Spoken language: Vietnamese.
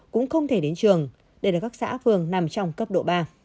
cũng không thể đến trường đây là các xã phường nằm trong cấp độ ba